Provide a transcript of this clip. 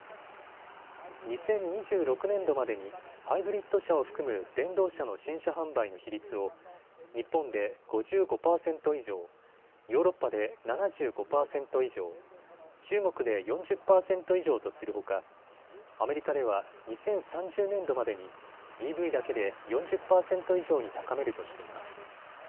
２０２６年度までにハイブリッド車を含む電動車の新車販売の比率を日本で５５％以上、ヨーロッパで７５％以上、中国で４０％以上とするほかアメリカでは２０３０年度までにＥＶだけで４０％以上に高めるとしています。